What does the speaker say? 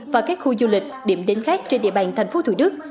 và các khu du lịch điểm đến khác trên địa bàn tp thủ đức